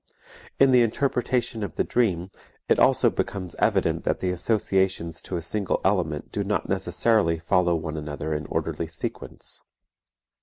In the interpretation of the dream it also becomes evident that the associations to a single element do not necessarily follow one another in orderly sequence.